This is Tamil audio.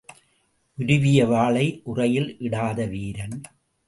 உருவிய வாளை உறையில் இடாத வீரன்.